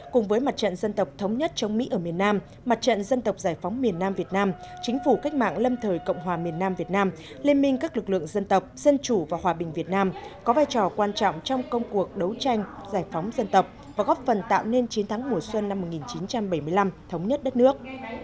cùng với mặt trận dân tộc thống nhất chống mỹ ở miền nam mặt trận dân tộc giải phóng miền nam việt nam chính phủ cách mạng lâm thời cộng hòa miền nam việt nam liên minh các lực lượng dân tộc dân chủ và hòa bình việt nam có vai trò quan trọng trong công cuộc đấu tranh giải phóng dân tộc và góp phần tạo nên chiến thắng mùa xuân năm một nghìn chín trăm bảy mươi năm thống nhất đất nước